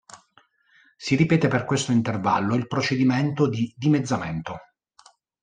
Si ripete per questo intervallo il procedimento di dimezzamento.